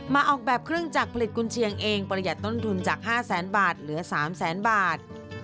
ออกแบบเครื่องจักรผลิตกุญเชียงเองประหยัดต้นทุนจาก๕แสนบาทเหลือ๓แสนบาท